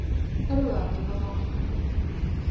はるはあけぼの